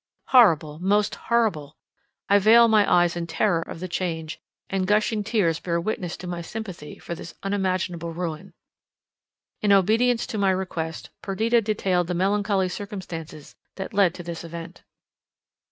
Horrible, most horrible! I veil my eyes in terror of the change, and gushing tears bear witness to my sympathy for this unimaginable ruin. In obedience to my request Perdita detailed the melancholy circumstances that led to this event.